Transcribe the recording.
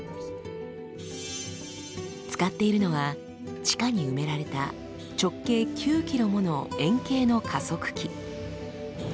使っているのは地下に埋められた直径９ｋｍもの円形の加速器。